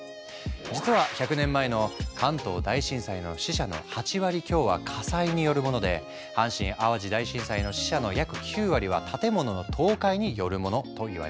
実は１００年前の関東大震災の死者の８割強は火災によるもので阪神・淡路大震災の死者の約９割は建物の倒壊によるものといわれている。